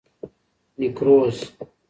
نیکروز